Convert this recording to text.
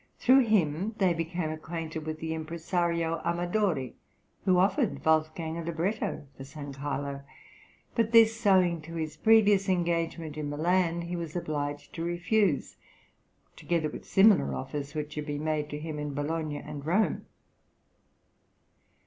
Through him they became acquainted with the impresario Amadori, who offered Wolfgang a libretto for San Carlo; but this, owing to his previous engagement in Milan, he was obliged to refuse, together with similar offers which had been made to him in Bologna and Rome.